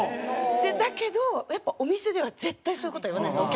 だけどやっぱお店では絶対そういう事は言わないんですよ